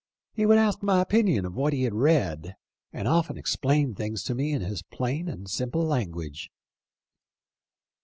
He would ask my opinion of what he had read, and often explained things to me in his plain and simple language."